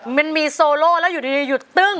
มันมีโซโล่แล้วอยู่ดีหยุดตึ้ง